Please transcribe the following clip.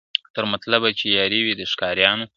تر مطلبه چي یاري وي د ښکاریانو ..